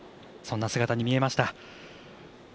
そんな姿に見えました。